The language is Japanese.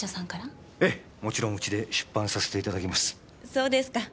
そうですか。